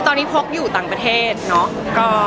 ตอนนี้พกอยู่ต่างประเทศเนาะ